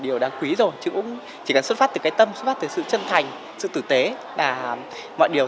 điều đáng quý rồi chứ cũng chỉ cần xuất phát từ cái tâm xuất phát từ sự chân thành sự tử tế là mọi điều